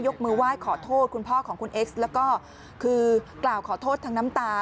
มือไหว้ขอโทษคุณพ่อของคุณเอ็กซ์แล้วก็คือกล่าวขอโทษทั้งน้ำตา